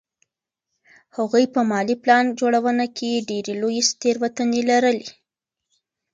هغوی په مالي پلان جوړونه کې ډېرې لویې تېروتنې لرلې.